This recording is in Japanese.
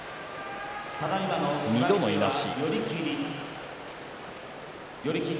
２度のいなし。